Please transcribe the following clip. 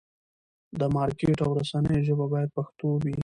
د مارکېټ او رسنیو ژبه باید پښتو وي.